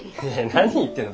何言ってんの？